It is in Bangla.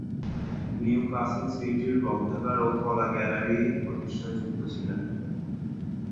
নিউক্যাসল সিটির গ্রন্থাগার ও কলা গ্যালারি প্রতিষ্ঠায় যুক্ত ছিলেন।